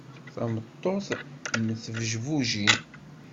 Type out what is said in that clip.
Tameṭṭut mm tbejbujin.